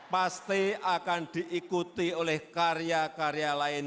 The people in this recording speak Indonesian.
pasti akan diikuti oleh karya karya lain